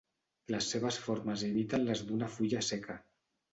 Les seves formes imiten les d'una fulla seca.